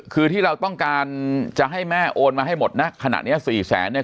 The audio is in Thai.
คือที่เราต้องการจะให้แม่โอนมาให้หมดนะขณะเนี้ยสี่แสนเนี่ย